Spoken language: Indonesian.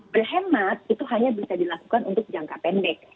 berhemat itu hanya bisa dilakukan untuk jangka pendek